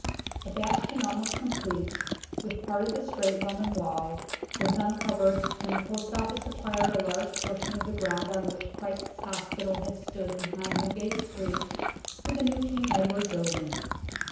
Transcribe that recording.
A bastion almost complete, with part of the straight Roman wall, was uncovered when the Post Office acquired a large portion of the ground on which Christ's Hospital had stood behind Newgate Street for the new King Edward Build ing.